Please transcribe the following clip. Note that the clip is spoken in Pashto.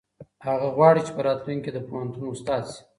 هغه غواړي چې په راتلونکي کې د پوهنتون استاد شي.